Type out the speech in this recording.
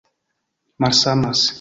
malsamas